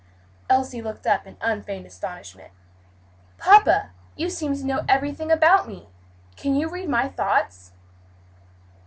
Elsie looked up in unfeigned astonishment. "Papa! you seem to know everything about me. Can you read my thoughts?"